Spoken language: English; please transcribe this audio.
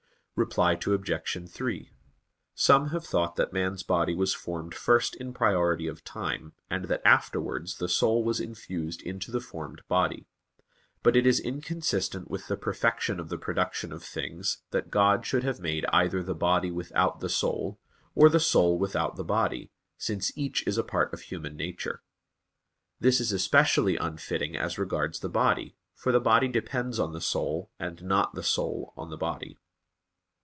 Reply Obj. 3: Some have thought that man's body was formed first in priority of time, and that afterwards the soul was infused into the formed body. But it is inconsistent with the perfection of the production of things, that God should have made either the body without the soul, or the soul without the body, since each is a part of human nature. This is especially unfitting as regards the body, for the body depends on the soul, and not the soul on the body.